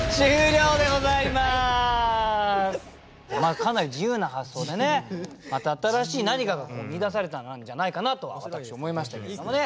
かなり自由な発想でねまた新しい何かが見いだされたんじゃないかなと私思いましたけどもね。